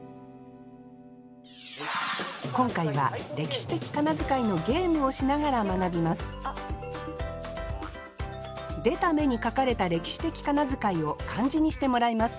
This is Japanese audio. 今回は歴史的仮名遣いのゲームをしながら学びます出た目に書かれた歴史的仮名遣いを漢字にしてもらいます。